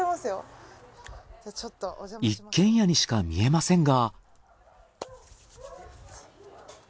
一軒家にしか見えませんが。